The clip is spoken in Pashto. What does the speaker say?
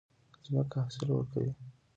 ځمکه حاصل ورکوي.